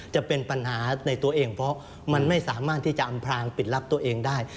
จะเป็นปัญหาในตัวเองเพราะมันไม่สามารถที่จะอำพลางปิดรับตัวเองได้